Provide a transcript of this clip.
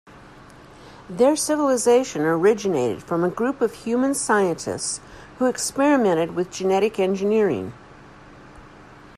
Their civilization originated from a group of human scientists who experimented with genetic engineering.